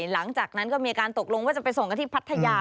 หลังจากนั้นก็มีการตกลงว่าจะไปส่งกันที่พัทยา